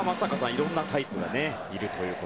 いろんなタイプがいると。